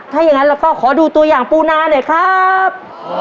ถ้าอย่างนั้นเราก็ขอดูตัวอย่างปูนาหน่อยครับ